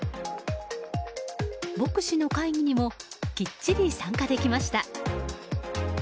牧師の会議にもきっちり参加できました。